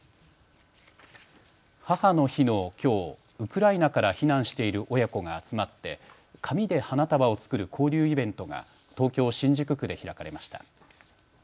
母の日のきょう、ウクライナから避難している親子が集まって紙で花束を作る交流イベントが東京新宿区で開かれました。